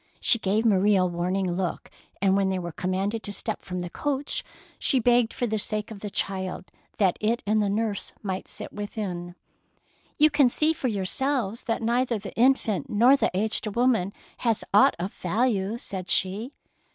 She gave Marie a warning look, and when they were commanded to step from the coach, 144 THE PEARL NECKLACE she begged, for the sake of the child, that it and the nurse might sit within. "You can see for yourselves that neither the infant nor the aged woman has aught of value,^^ said she.